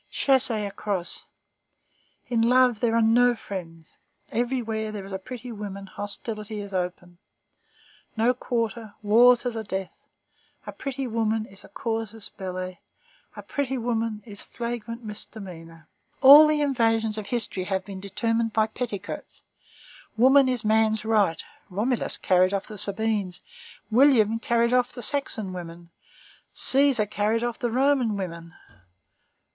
Chassez across. In love there are no friends. Everywhere where there is a pretty woman hostility is open. No quarter, war to the death! a pretty woman is a casus belli; a pretty woman is flagrant misdemeanor. All the invasions of history have been determined by petticoats. Woman is man's right. Romulus carried off the Sabines; William carried off the Saxon women; Cæsar carried off the Roman women.